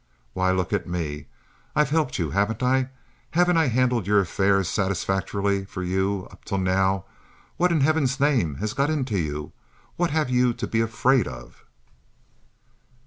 Why, look at me—I've helped you, haven't I? Haven't I handled your affairs satisfactorily for you up to now? What in Heaven's name has got into you? What have you to be afraid of?"